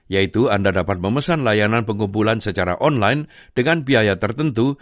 yaitu anda dapat memesan layanan pengumpulan secara online dengan biaya tertentu